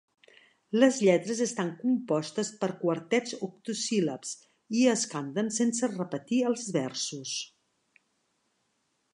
Les lletres estan compostes per quartets octosíl·labs i es canten sense repetir els versos.